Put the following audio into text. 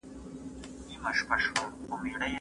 هغه خپل اهداف په يادداشت کي نه وو ليکلي.